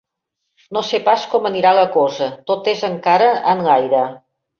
No sé pas com anirà la cosa: tot és encara enlaire.